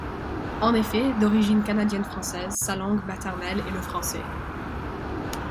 En effet, d'origine canadienne-française, sa langue maternelle est le français.